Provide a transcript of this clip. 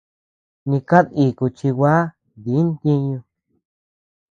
Ni kad iku chi gua di ntiñu.